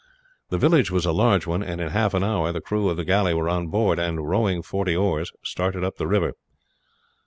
The village was a large one, and in half an hour the crew of the galley were on board and, rowing forty oars, started up the river.